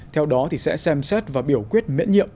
theo đó sẽ xem xét và biểu quyết miễn nhiệm